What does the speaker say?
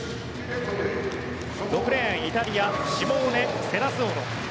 ６レーン、イタリアシモーネ・セラスオロ。